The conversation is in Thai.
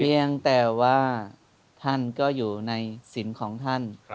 เพียงแต่ว่าท่านก็อยู่ในศิลป์ของท่าน